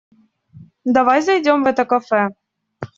Давай зайдём в это кафе.